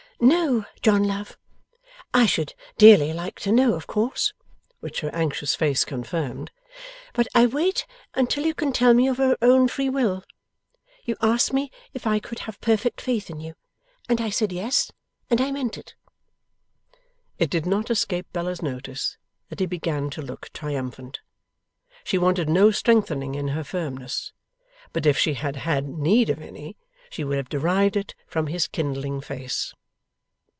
'No, John love. I should dearly like to know, of course;' (which her anxious face confirmed;) 'but I wait until you can tell me of your own free will. You asked me if I could have perfect faith in you, and I said yes, and I meant it.' It did not escape Bella's notice that he began to look triumphant. She wanted no strengthening in her firmness; but if she had had need of any, she would have derived it from his kindling face.